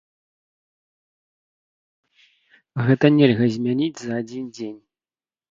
Гэта нельга змяніць за адзін дзень.